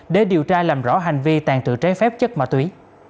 để điều tra làm rõ hành vi tàn trự trái phép chất ma túy